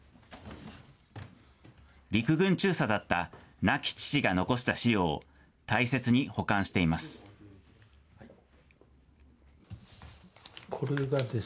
陸軍中佐だった亡き父が残した資料を大切に保管しています。